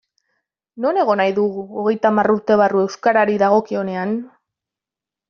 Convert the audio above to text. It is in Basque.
Non egon nahi dugu hogeita hamar urte barru euskarari dagokionean?